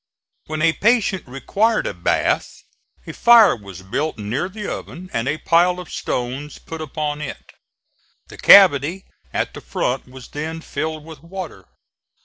When a patient required a bath, a fire was built near the oven and a pile of stones put upon it. The cavity at the front was then filled with water.